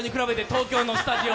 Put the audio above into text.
東京のスタジオ。